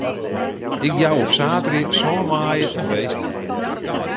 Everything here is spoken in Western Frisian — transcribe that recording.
Ik jou op saterdei sân maaie in feest.